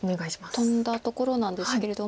今トンだところなんですけれども。